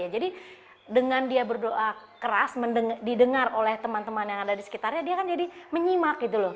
jadi dengan dia berdoa keras didengar oleh teman teman yang ada di sekitarnya dia kan jadi menyimak